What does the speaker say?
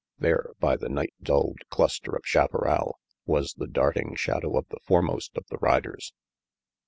*' There, by the night dulled cluster of chaparral, was the darting shadow of the foremost of the riders.